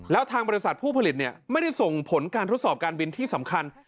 แล้วทางบริษัทผู้ผลิตไม่ได้ส่งผลการทดสอบการบินที่สำคัญ